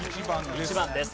１番です。